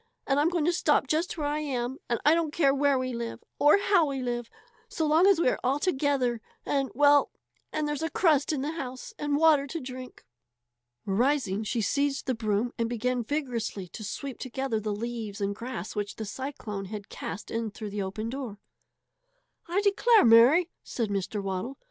And I'm going to stop just where I am. I don't care where we live or how we live so long as we are all together and well and there's a crust in the house and water to drink." Rising, she seized the broom and began vigorously to sweep together the leaves and grass which the cyclone had cast in through the open door. "I declare, Mary!" said Mr. Waddle.